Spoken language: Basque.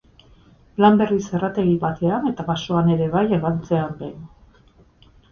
Lan berriz, zerrategi batean, eta basoan ere bai lantzean behin.